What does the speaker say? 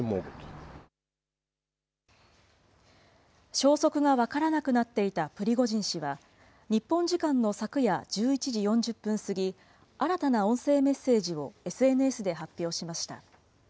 消息が分からなくなっていたプリゴジン氏は、日本時間の昨夜１１時４０分過ぎ、新たな音声メッセージをＳＮＳで発表しました。